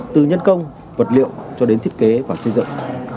từ nhân công vật liệu cho đến thiết kế và xây dựng